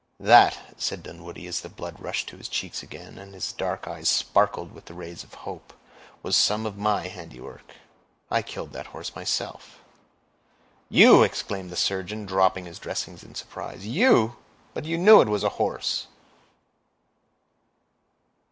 "That," said Dunwoodie, as the blood rushed to his cheeks again, and his dark eyes sparkled with the rays of hope, "was some of my handiwork; I killed that horse myself." "You!" exclaimed the surgeon, dropping his dressings in surprise, "you! But you knew it was a horse!"